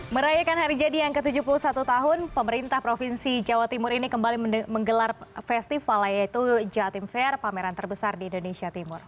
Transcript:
merayakan hari jadi yang ke tujuh puluh satu tahun pemerintah provinsi jawa timur ini kembali menggelar festival yaitu jatim fair pameran terbesar di indonesia timur